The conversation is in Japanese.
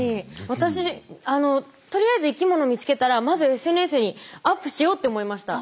私とりあえず生きもの見つけたらまずＳＮＳにアップしようって思いました。